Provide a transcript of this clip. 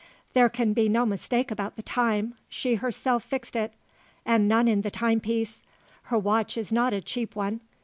There can be no mistake about the time she herself fixed it. And none in the timepiece. Her watch is not a cheap one.